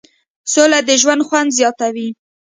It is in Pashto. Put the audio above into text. سوله د ژوند خوند زیاتوي.